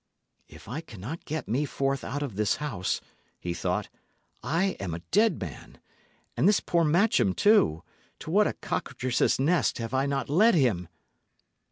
"If I cannot get me forth out of this house," he thought, "I am a dead man! And this poor Matcham, too to what a cockatrice's nest have I not led him!"